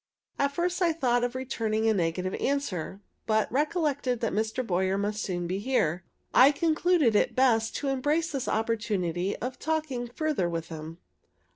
At first I thought of returning a negative answer; but, recollecting that Mr. Boyer must soon be here, I concluded it best to embrace this opportunity of talking further with him.